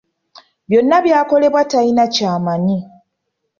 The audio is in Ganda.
Byonna ebyakolebwa talina ky'amanyi.